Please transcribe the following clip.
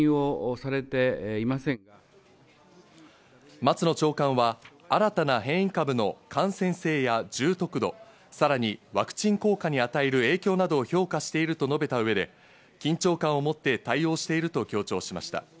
松野長官は新たな変異株の感染性や重篤度、さらにワクチン効果に与える影響などを評価していると述べた上で、緊張感をもって対応していると強調しました。